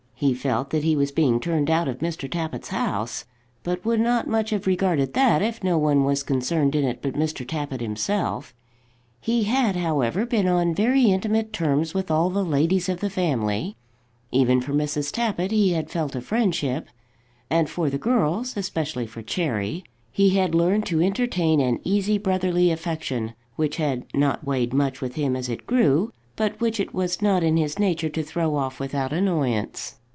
He felt that he was being turned out of Mr. Tappitt's house, but would not much have regarded that if no one was concerned in it but Mr. Tappitt himself. He had, however, been on very intimate terms with all the ladies of the family; even for Mrs. Tappitt he had felt a friendship; and for the girls especially for Cherry he had learned to entertain an easy brotherly affection, which had not weighed much with him as it grew, but which it was not in his nature to throw off without annoyance.